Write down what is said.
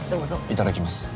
いただきます。